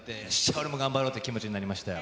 俺も頑張ろうという気持ちになりましたよ。